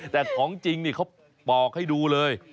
แต่ของจริงนี่เขาปอกให้ดูเลย